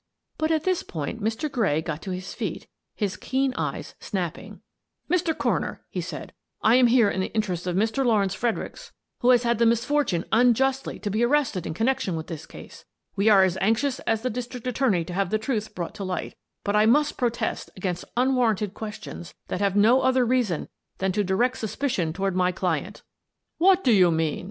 But at this point Mr. Gray got to his feet, his keen eyes snapping. " Mr. Coroner," he said, " I am here in the inter ests of Mr. Lawrence Fredericks, who has had the misfortune unjustly to be arrested in connection with this case. We are as anxious as the district attorney to have the truth brought to light, but I must protest against unwarranted questions that have no other reason than to direct suspicion toward my client." The Inquest 173 " What do you mean ?